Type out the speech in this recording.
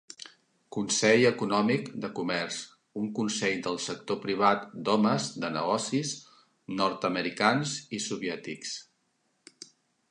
Consell econòmic de comerç, un consell del sector privat d'homes de negocis nord-americans i soviètics.